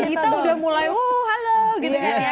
kita udah mulai wuh halo gitu kan ya